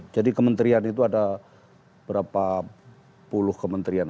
jadi kementerian itu ada berapa puluh kementerian